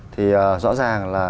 thì rõ ràng là